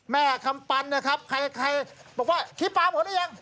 คำปันนะครับใครบอกว่าขี้ปลาหมดหรือยัง